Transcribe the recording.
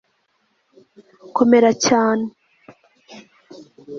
komera cyane